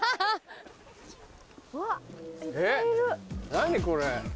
何これ。